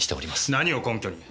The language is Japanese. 何を根拠に？